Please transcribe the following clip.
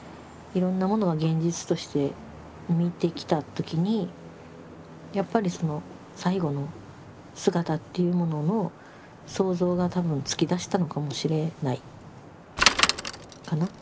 いろんなものが現実として見てきた時にやっぱりその最期の姿っていうものの想像が多分つきだしたのかもしれないかな。